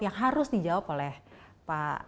yang harus dijawab oleh pak